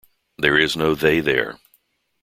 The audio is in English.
There Is No They There.